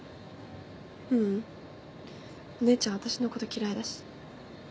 ううんお姉ちゃん私のこと嫌いだし。